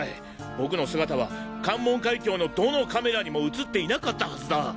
僕の姿は関門海峡のどのカメラにも映っていなかったはずだ。